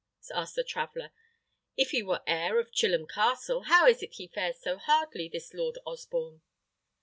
asked the traveller. "If he were heir of Chilham Castle, how is it he fares so hardly, this Lord Osborne?"